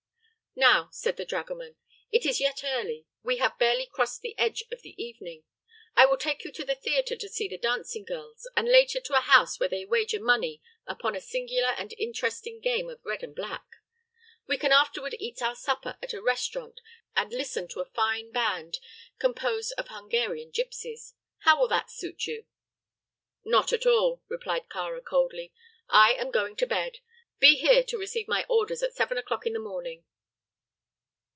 "Now," said the dragoman, "it is yet early; we have barely crossed the edge of the evening. I will take you to the theatre to see the dancing girls, and later to a house where they wager money upon a singular and interesting game of red and black. We can afterward eat our supper at a restaurant and listen to a fine band composed of Hungarian gypsies. How will that suit you?" "Not at all," replied Kāra, coldly. "I am going to bed. Be here to receive my orders at seven o'clock in the morning."